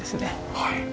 はい。